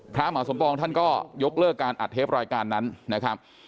พระมหาสมปองท่านก็ยกเลิกการอัดเทปรายการนั้นนะครับ